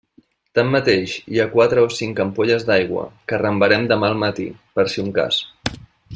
Tanmateix, hi ha quatre o cinc ampolles d'aigua que arrambarem demà al matí, per si un cas.